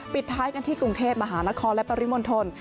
ปิดท้ายกันที่กรุงเทพมหานครและปริมณฑล